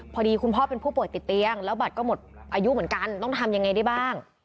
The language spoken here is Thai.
พอดีคุณพ่อเป็นผู้ป่วยติดเตียงแล้วบัตรก็หมดอายุเหมือนกันต้องทำยังไงได้บ้าง